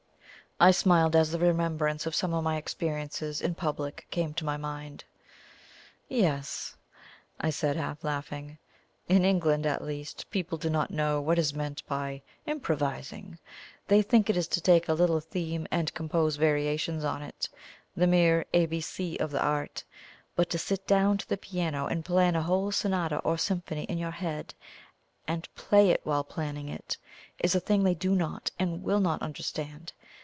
I smiled as the remembrance of some of my experiences in public came to my mind. "Yes," I said, half laughing. "In England, at least, people do not know what is meant by IMPROVISING. They think it is to take a little theme and compose variations on it the mere ABC of the art. But to sit down to the piano and plan a whole sonata or symphony in your head, and play it while planning it, is a thing they do not and will not understand.